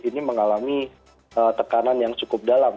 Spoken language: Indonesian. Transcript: ini mengalami tekanan yang cukup dalam